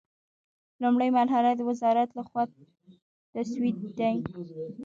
لومړۍ مرحله د وزارت له خوا تسوید دی.